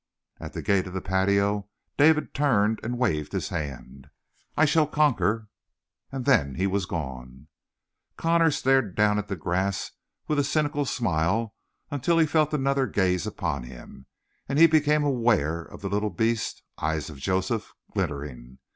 At the gate of the patio David turned and waved his hand. "I shall conquer!" And then he was gone. Connor stared down at the grass with a cynical smile until he felt another gaze upon him, and he became aware of the little beast eyes of Joseph glittering.